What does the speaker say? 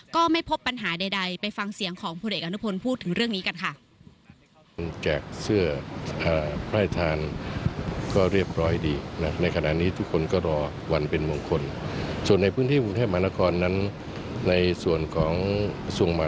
ก็ไม่พบปัญหาใดไปฟังเสียงของพลเอกอนุพลพูดถึงเรื่องนี้กันค่ะ